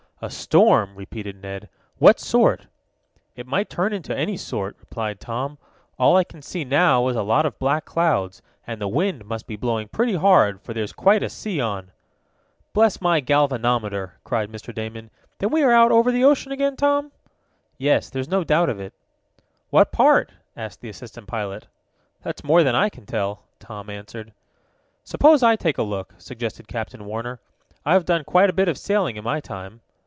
"A storm," repeated Ned. "What sort?" "It might turn into any sort," replied Tom. "All I can see now is a lot of black clouds, and the wind must be blowing pretty hard, for there's quite a sea on." "Bless my galvanometer!" cried Mr. Damon. "Then we are out over the ocean again, Tom?" "Yes, there's no doubt of it." "What part?" asked the assistant pilot. "That's more than I can tell," Tom answered. "Suppose I take a look?" suggested Captain Warner. "I've done quite a bit of sailing in my time."